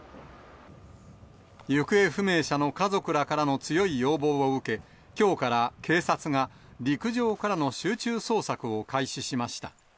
行方不明者の家族らからの強い要望を受け、きょうから警察が陸上からの集中捜索を開始しました。